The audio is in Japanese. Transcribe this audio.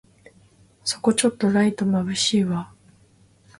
そこちょっとライトまぶしいわ